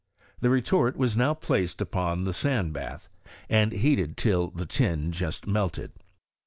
The retort was now placed upon the sand baUi, and heated till the tin just melted.